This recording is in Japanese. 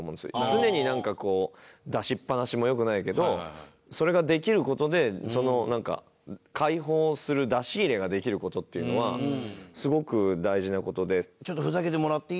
常になんかこう出しっぱなしも良くないけどそれができる事でなんか開放する出し入れができる事っていうのはすごく大事な事で。